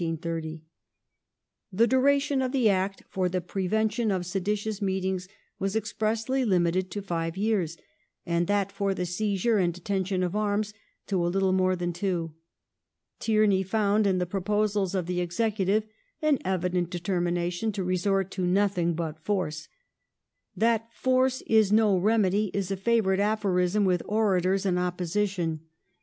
The duration of the Act for the prevention of seditious meetings was expressly limited to five years, and that for the seizure and detention of arms to a little more than two. Tiemey found in the proposals of the Executive "an evident determination to resort to nothing but force ". That " force is no remedy " is a favourite aphorism with orators in opposition.